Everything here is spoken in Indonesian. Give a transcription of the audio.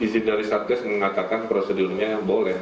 izin dari satgas mengatakan prosedurnya boleh